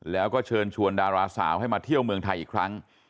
แล้วก็เชิญชวนดาราสาวให้มาเที่ยวเมืองไทยอีกครั้ง